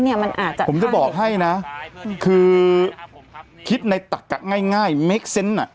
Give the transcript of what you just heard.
เนี้ยมันอาจจะผมจะบอกให้น่ะคือคิดในตักง่ายง่ายน่ะ